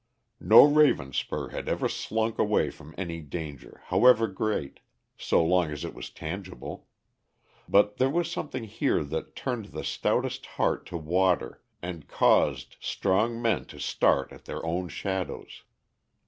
No Ravenspur had ever slunk away from any danger, however great, so long as it was tangible; but there was something here that turned the stoutest heart to water, and caused strong men to start at their own shadows.